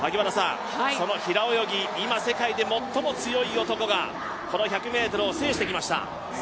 平泳ぎ、今世界で最も強い男が１００ｍを制してきました。